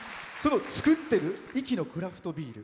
造ってる壱岐のクラフトビール。